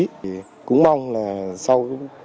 chúng tôi cũng mong là sau